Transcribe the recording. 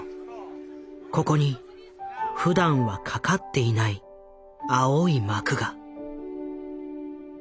ここにふだんは掛かっていない青い幕が。